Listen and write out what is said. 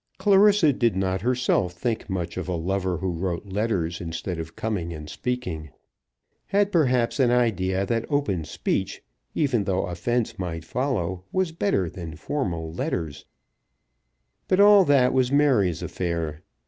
Clarissa did not herself think much of a lover who wrote letters instead of coming and speaking, had perhaps an idea that open speech, even though offence might follow, was better than formal letters; but all that was Mary's affair.